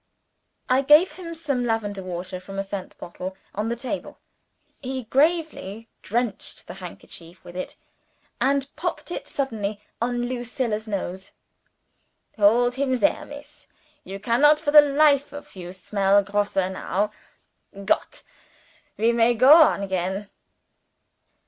I gave him some lavender water from a scent bottle on the table. He gravely drenched the handkerchief with it, and popped it suddenly on Lucilla's nose. "Hold him there, Miss. You cannot for the life of you smell Grosse now. Goot! We may go on again."